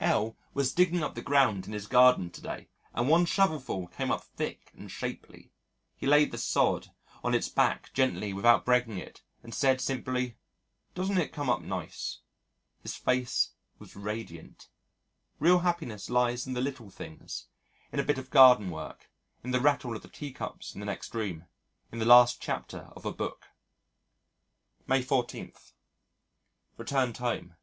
L was digging up the ground in his garden to day and one shovelful came up thick and shapely. He laid the sod on its back gently without breaking it and said simply, "Doesn't it come up nice?" His face was radiant! Real happiness lies in the little things, in a bit of garden work, in the rattle of the teacups in the next room, in the last chapter of a book. May 14. Returned home.